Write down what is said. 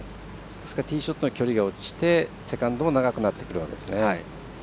ですからティーショットの距離が落ちてセカンドも長くなってくるわけです。